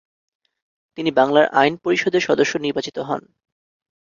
তিনি বাংলার আইন পরিষদের সদস্য নির্বাচিত হন।